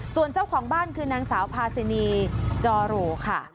ส่วนเจ้าของบ้านคือนางสาวพาซินีจอโหลค่ะ